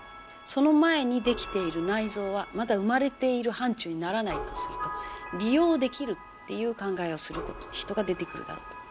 その前にできている内臓はまだ生まれている範疇にならないとすると利用できるっていう考えをする人が出てくるだろうと。